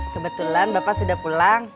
kebetulan bapak sudah pulang